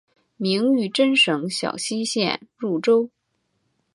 明玉珍省小溪县入州。